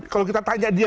kalau kita tanya dia